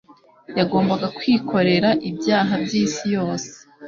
Yagomba kwikorera ibyaha by'isi yose.